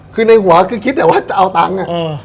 คือในหัวคือคิดแต่ว่าจะเอาตังค์